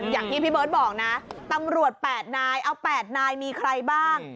อย่างที่พี่เบิร์ตบอกนะตำรวจ๘นายเอา๘นายมีใครบ้าง